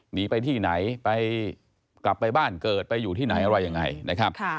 หนีไปที่ไหนไปกลับไปบ้านเกิดไปอยู่ที่ไหนอะไรยังไงนะครับ